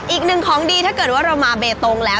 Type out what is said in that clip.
อีกหนึ่งของดีถ้าเกิดว่าเรามาเบตงแล้ว